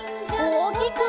おおきく！